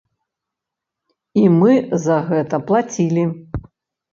І мы за гэта плацілі.